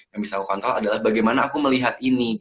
yang bisa aku kontrol adalah bagaimana aku melihat ini